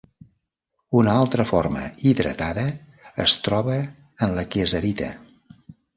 Una altra forma hidratada es troba en la kieserita.